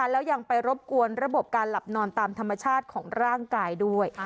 แล้วยังไปรบกวนระบบการหลับนอนตามธรรมชาติของร่างกายด้วย